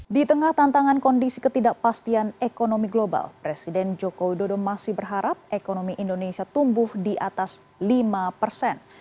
di tengah tantangan kondisi ketidakpastian ekonomi global presiden jokowi dodo masih berharap ekonomi indonesia tumbuh di atas lima persen